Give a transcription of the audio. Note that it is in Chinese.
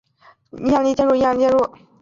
圣丹尼门是布隆代尔最有影响力建筑。